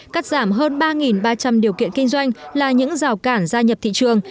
cắt giảm hơn ba ba trăm linh điều kiện kinh doanh là những rào cản gia nhập thị trường